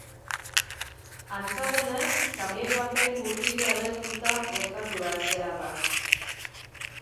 Antza denez, kamioi baten gurpila lehertuta gertatu da ezbeharra.